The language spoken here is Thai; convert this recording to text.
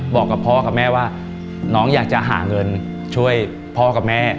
บอกกับพ่อกับแม่ว่าน้องอยากจะหาเงินช่วยพ่อกับแม่